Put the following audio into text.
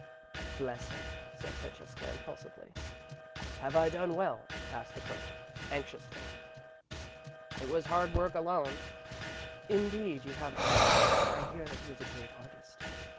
"Bless him," said Francesca, impulsively. "Have I done well?" asked the Colonel, anxiously. "It was hard work, alone." "Indeed you have done well. I hear that he is a great artist."